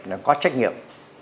thứ nhất là có trách nhiệm